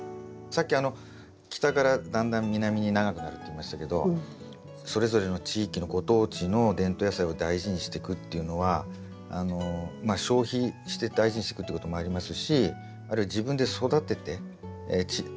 さっき北からだんだん南に長くなるって言いましたけどそれぞれの地域のご当地の伝統野菜を大事にしてくっていうのはまあ消費して大事にしていくってこともありますしあるいは自分で育ててタネが手に入ればですよ